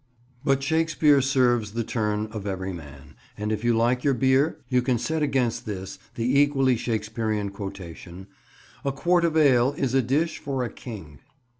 But Shakespeare serves the turn of every man, and if you like your beer, you can set against this the equally Shakespearean quotation, "A quart of ale is a dish for a king."